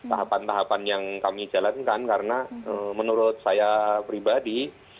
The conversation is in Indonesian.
tahapan tahapan yang kami jalankan karena menurut saya pribadi